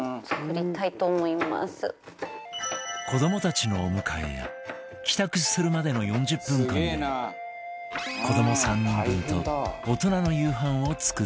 子どもたちのお迎えや帰宅するまでの４０分間で子ども３人分と大人の夕飯を作っていく